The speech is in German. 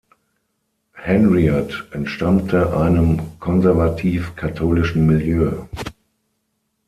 Henriot entstammte einem konservativ-katholischen Milieu.